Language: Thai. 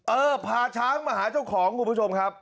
เออพาช้างมาหาเจ้าของคุณผู้ชมครับ